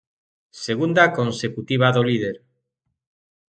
Segunda consecutiva do líder.